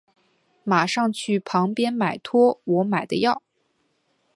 马上去旁边买托我买的药